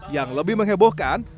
yang lebih mengebohkan